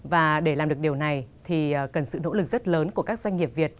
và để làm được điều này thì cần sự nỗ lực rất lớn của các doanh nghiệp việt